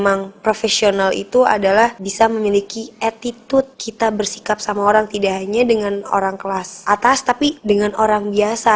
memang profesional itu adalah bisa memiliki attitude kita bersikap sama orang tidak hanya dengan orang kelas atas tapi dengan orang biasa